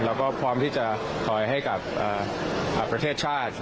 เราก็พร้อมที่จะคอยให้กับประเทศชาติ